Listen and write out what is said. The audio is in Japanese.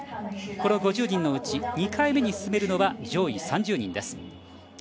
この５０人のうち２回目に進めるのは上位３０人です。